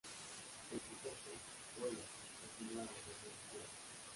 Don Quijote, solo, continúa recorriendo tierras.